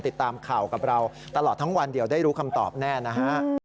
ติดตามข่าวกับเราตลอดทั้งวันเดี๋ยวได้รู้คำตอบแน่นะฮะ